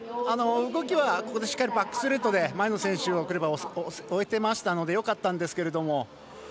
動きはここでしっかりバックストレートで前の選手クレバ超えてましたのでよかったんですけど。